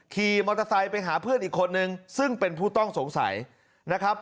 ขี่มอเตอร์ไซค์ไปหาเพื่อนอีกคนนึงซึ่งเป็นผู้ต้องสงสัยนะครับ